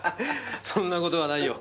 そんな事はないよ。